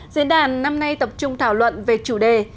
diễn đàn năm nay tập trung thảo luận về chủ đề